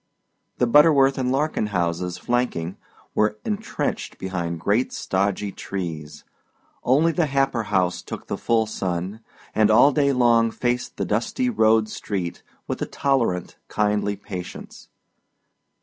The Butterworth and Larkin houses flanking were entrenched behind great stodgy trees; only the Happer house took the full sun, and all day long faced the dusty road street with a tolerant kindly patience.